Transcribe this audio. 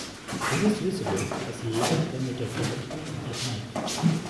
This is visible as light emitted from the peak at night.